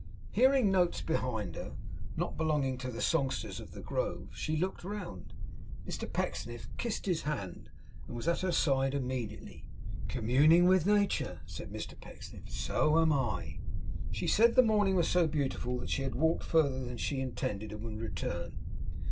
Hearing notes behind her, not belonging to the songsters of the grove, she looked round. Mr Pecksniff kissed his hand, and was at her side immediately. 'Communing with nature?' said Mr Pecksniff. 'So am I.' She said the morning was so beautiful that she had walked further than she intended, and would return.